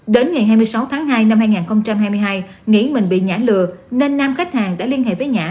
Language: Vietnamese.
đến ngày hai mươi sáu tháng hai năm hai nghìn hai mươi hai nghĩ mình bị ngã lừa nên nam khách hàng đã liên hệ với nhã